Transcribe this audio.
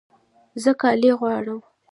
زه کالي غواړم